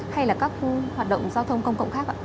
hay là các hoạt động giao thông công cộng khác ạ